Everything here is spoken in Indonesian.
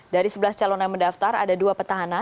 dari sebelas calon yang mendaftar ada dua petahana